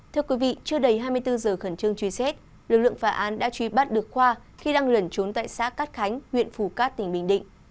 thưa quý vị chưa đầy hai mươi bốn giờ khẩn trương truy xét lực lượng phá án đã truy bắt được khoa khi đang lẩn trốn tại xã cát khánh huyện phù cát tỉnh bình định